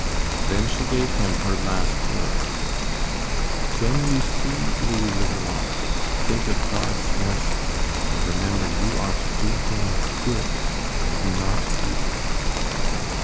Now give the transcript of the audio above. Then she gave him her last word: "When you see Louis LeNoir, think of God's mercy, and remember you are to do him good and not evil."